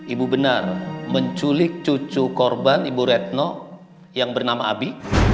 ibu benar menculik cucu korban ibu retno yang bernama abi